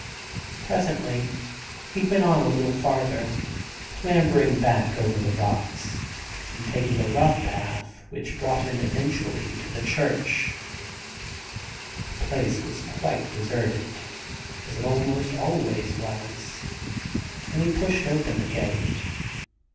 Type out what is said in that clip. Presently he went on a little farther, clambering back over the rocks, and taking a rough path which brought him eventually to the church. The place was quite deserted, as it almost always was, and he pushed open the gate.